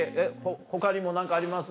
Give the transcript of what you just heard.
他にも何かあります？